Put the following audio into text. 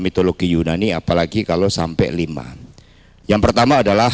mitologi yunani apalagi kalau sampai lima yang pertama adalah